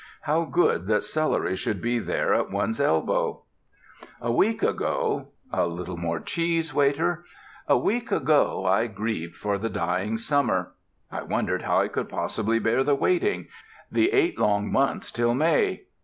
How good that celery should be there at one's elbow. A week ago ("A little more cheese, waiter") a week ago I grieved for the dying summer. I wondered how I could possibly bear the waiting the eight long months till May.